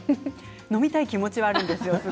飲みたい気持ちはあるんですよ。